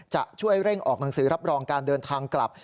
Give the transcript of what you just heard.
จะช่วยเร่งออกหนังสือรับรองการเดินทางกลับ